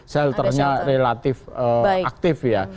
shelternya relatif aktif ya